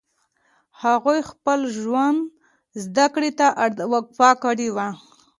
هغو خپل ژوند زدکړې ته وقف کړی و